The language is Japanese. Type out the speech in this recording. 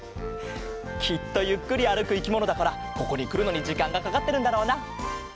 きっとゆっくりあるくいきものだからここにくるのにじかんがかかってるんだろうな。